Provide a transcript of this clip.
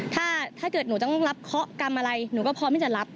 ถ้าเกิดหนูต้องรับเคาะกรรมอะไรหนูก็พร้อมที่จะรับ